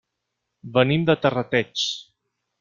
Venim de Terrateig.